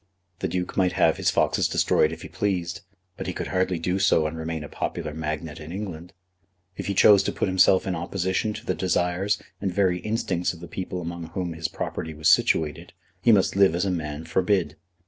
The Duke might have his foxes destroyed if he pleased, but he could hardly do so and remain a popular magnate in England. If he chose to put himself in opposition to the desires and very instincts of the people among whom his property was situated, he must live as a "man forbid."